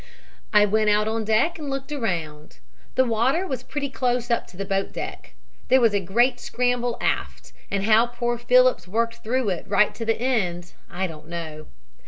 "I went out on deck and looked around. The water was pretty close up to the boat deck. There was a great scramble aft, and how poor Phillips worked through it right to the end I don't know.